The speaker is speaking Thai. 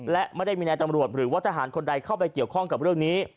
และไม่ได้มีนายตำรวจหรือว่าทหารคนใดเข้าไปเกี่ยวข้องกับเรื่องนี้